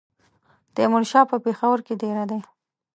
تیمورشاه په پېښور کې دېره دی.